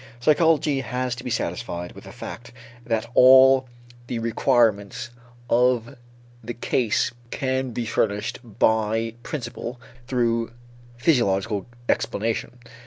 Psychology has to be satisfied with the fact that all the requirements of the case can be furnished by principle through physiological explanation.